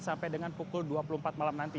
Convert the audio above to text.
sampai dengan pukul dua puluh empat malam nanti